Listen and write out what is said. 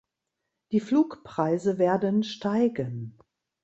Die Flugpreise werden steigen.